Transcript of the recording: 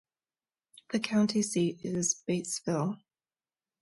The county seat is Batesville.